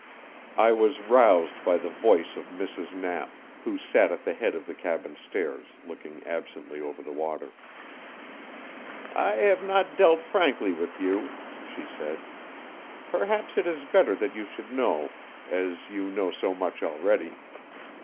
I was roused by the voice of Mrs. Knapp, who sat at the head of the cabin stairs, looking absently over the water. "I have not dealt frankly with you," she said. "Perhaps it is better that you should know, as you know so much already.